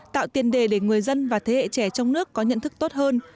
tạo tiền đề để người dân và thế hệ trẻ trong nước có nhận thức tốt hơn